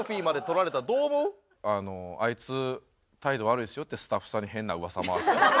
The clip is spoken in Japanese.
「あいつ態度悪いっすよ」ってスタッフさんに変な噂回す。